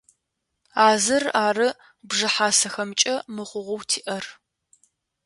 А зыр ары бжыхьасэхэмкӏэ мыхъугъэу тиӏэр.